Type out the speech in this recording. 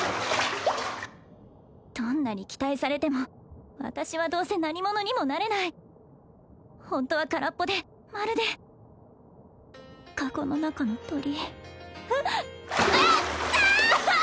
どんなに期待されても私はどうせ何者にもなれないホントは空っぽでまるでカゴの中の鳥いったあ！